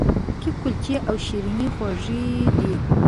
کیک، کلچې او شیریني خوږې دي.